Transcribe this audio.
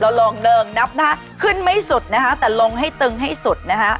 ลองเนิงนับนะฮะขึ้นไม่สุดนะคะแต่ลงให้ตึงให้สุดนะคะ